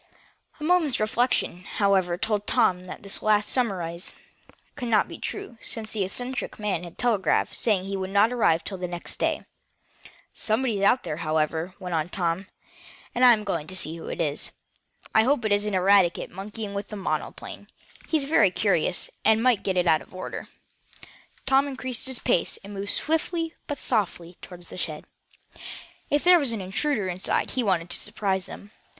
A moment's reflection, however, told Tom that this last surmise could not be true, since the eccentric man had telegraphed, saying he would not arrive until the next day. "Somebody's out there, however," went on Tom, "and I'm going to see who it is. I hope it isn't Eradicate monkeying with the monoplane. He's very curious, and he might get it out of order." Tom increased his pace, and moved swiftly but softly toward the shed. If there was an intruder inside he wanted to surprise him.